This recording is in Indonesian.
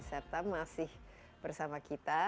serta masih bersama kita